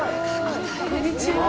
こんにちは。